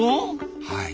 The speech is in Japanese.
はい。